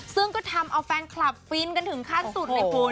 ซึ่งก็ทำเอาแฟนคลับฟินกันถึงขั้นสุดเลยคุณ